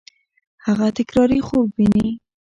هغه تکراري خوب ویني.